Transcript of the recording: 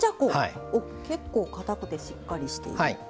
結構かたくてしっかりしている。